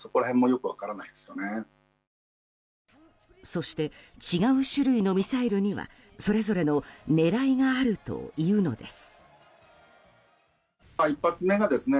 そして違う種類のミサイルにはそれぞれの狙いがあるというのです。